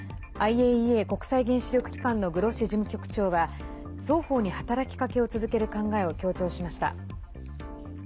ＩＡＥＡ＝国際原子力機関のグロッシ事務局長は双方に働きかけを続ける考えを強調しました。